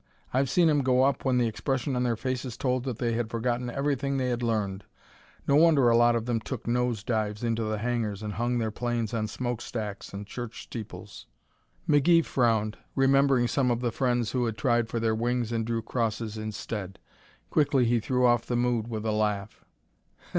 I've seen 'em go up when the expression on their faces told that they had forgotten everything they had learned. No wonder a lot of them took nose dives into the hangars and hung their planes on smokestacks and church steeples." McGee frowned, remembering some of the friends who had tried for their wings and drew crosses instead. Quickly he threw off the mood with a laugh.